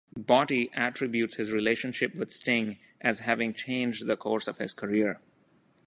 Botti attributes his relationship with Sting as having changed the course of his career.